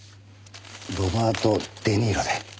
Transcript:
ロバート・デ・ニーロで。